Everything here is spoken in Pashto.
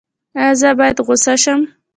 ایا زه باید غوسه شم؟